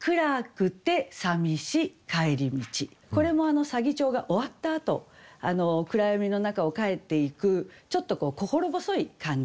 これも左義長が終わったあと暗闇の中を帰っていくちょっと心細い感じ。